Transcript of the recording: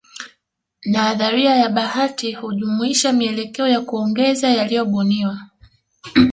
Nadharia ya bahati hujumuishwa mielekeo ya kuongeza yaliyobuniwa